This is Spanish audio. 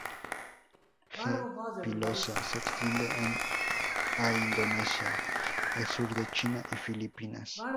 G. pilosa se extiende a Indonesia, el sur de China y Filipinas.